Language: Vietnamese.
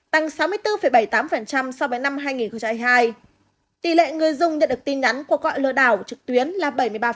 tăng sáu mươi bốn bảy mươi tám so với năm hai nghìn hai mươi hai tỷ lệ người dùng nhận được tin nhắn của gọi lừa đảo trực tuyến là bảy mươi ba